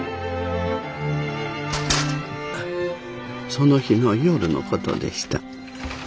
その日の夜の事でした。